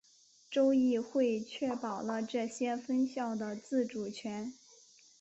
州议会确保了这些分校的自主权。